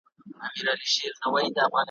نه په غم د چا شریک وای نه له رنځه کړېدلای `